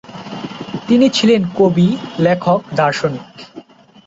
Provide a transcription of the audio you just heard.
তিনি ছিলেন কবি, লেখক, দার্শনিক।